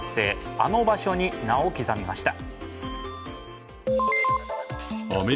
あの場所に、名を刻みました。